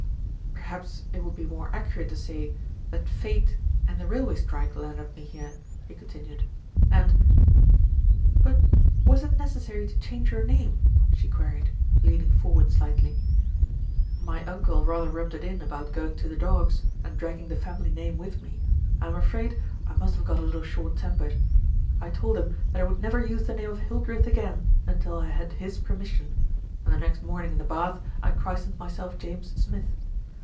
"Perhaps it would be more accurate to say that fate and the railway strike landed me here," he continued, "and" "But was it necessary to change your name?" she queried, leaning forward slightly. "My uncle rather rubbed it in about going to the dogs and dragging the family name with me, and I'm afraid I must have got a little short tempered. I told him that I would never use the name of Hildreth again until I had his permission, and the next morning in the bath I christened myself James Smith.